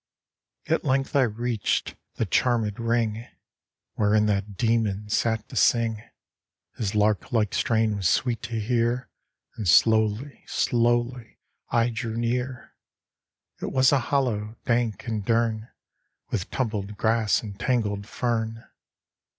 IV. At length I reached the charmed ring Wherein that demon sat to sing ; His lark like strain was sweet to hear, And slowly, slowly, I drew near. It was a hollow, dank and dern, With tumbled grass and tangled fern.